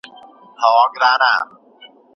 سياست بايد د ټولني اړتياوو ته په پام سره ترسره سي.